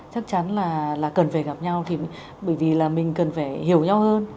chắc chắn là cần phải gặp nhau thì bởi vì là mình cần phải hiểu nhau hơn